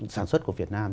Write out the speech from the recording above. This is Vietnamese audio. sản xuất của việt nam